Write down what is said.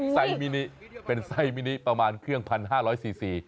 ไซมินิเป็นไส้มินิประมาณเครื่องพันห้าร้อยสี่สี่